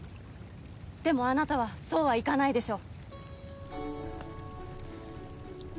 でもあなたはそうはいかないでしょ？